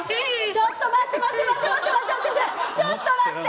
ちょっと待って！